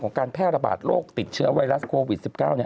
การแพร่ระบาดโรคติดเชื้อไวรัสโควิด๑๙